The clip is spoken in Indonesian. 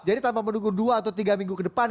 jadi tanpa mendukung dua atau tiga minggu ke depan